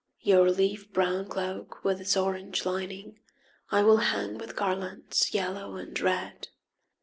Your leaf brown cloak with its orange lining I will hang with garlands yellow and red.